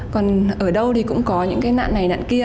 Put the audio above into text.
còn ở đâu thì cũng có những cái nạn này nạn kia